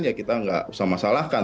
ya kita nggak usah masalahkan